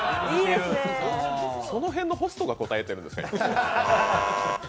その辺のホストが答えてるんですか？